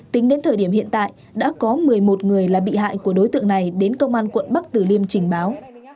tính đến thời điểm hiện tại đã có một mươi một người là bị hại của đối tượng này đến công an quận bắc tử liêm trình báo